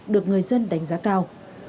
được người dân đánh giá cao